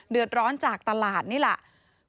เดือดร้อนจากตลาดนี่แหละ